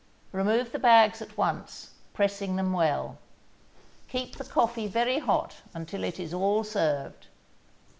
Remove the bags at once, pressing them well. Keep the coffee very hot until it is all served.